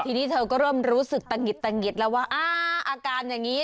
ทีนี้เธอก็เริ่มรู้สึกตะหิดตะหิดแล้วว่าอาการอย่างนี้